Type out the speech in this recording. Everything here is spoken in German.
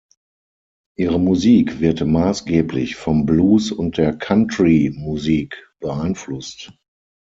Ihre Musik wird maßgeblich vom Blues und der Country-Musik beeinflusst.